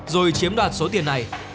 rồi chiếm đoạt số tiền này